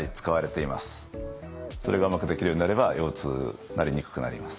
それがうまくできるようになれば腰痛なりにくくなります。